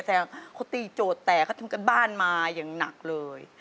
แต่เขาตีโจทย์แตกเขาทำการบ้านมาอย่างหนักเลย